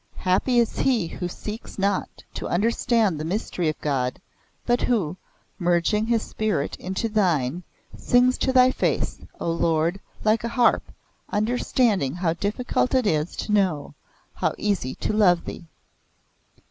'Happy is he who seeks not to understand the Mystery of God, but who, merging his spirit into Thine, sings to Thy face, O Lord, like a harp, understanding how difficult it is to know how easy to love Thee.